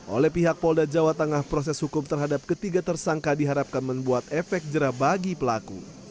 oleh pihak polda jawa tengah proses hukum terhadap ketiga tersangka diharapkan membuat efek jerah bagi pelaku